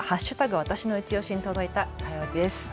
わたしのいちオシに届いたお便りです。